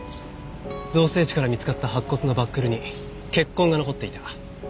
造成地から見つかった白骨のバックルに血痕が残っていた。